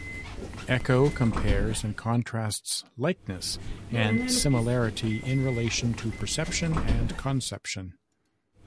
Eco compares and contrasts "likeness" and "similarity" in relation to perception and conception.